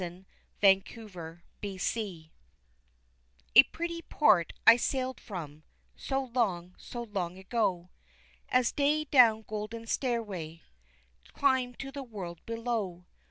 ] The Circuit A pretty port I sailed from, So long, so long ago, As day down golden stairway Climbed to the world below.